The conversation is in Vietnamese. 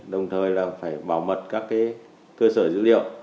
đồng thời là phải bảo mật các cơ sở dữ liệu